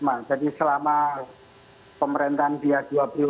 mencapai namanya anggaran di asli udara plasma